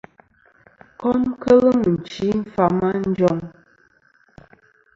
Kom kel mɨ̀nchi fama a njoŋ.